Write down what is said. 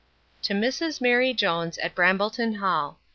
3. To Mrs MARY JONES, at Brambleton hall.